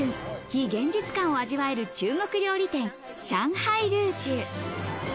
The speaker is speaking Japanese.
非現実感を味わえる中国料理店・上海ルージュ。